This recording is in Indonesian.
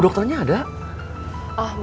maksudnya jemput aku